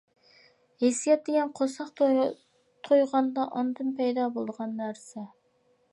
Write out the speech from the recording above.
ھېسسىيات دېگەن قورساق تويغاندا ئاندىن پەيدا بولىدىغان نەرسە.